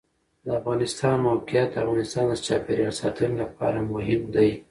د افغانستان د موقعیت د افغانستان د چاپیریال ساتنې لپاره مهم دي.